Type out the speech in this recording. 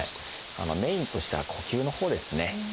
メインとしては呼吸のほうですね。